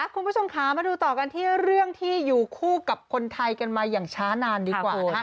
คุณผู้ชมคะมาดูต่อกันที่เรื่องที่อยู่คู่กับคนไทยกันมาอย่างช้านานดีกว่านะคะ